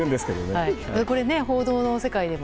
これ、報道の世界でも